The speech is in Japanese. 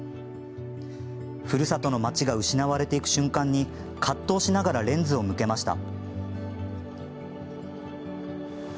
ふるさとの町が失われていく瞬間に葛藤しながらレンズを向けました。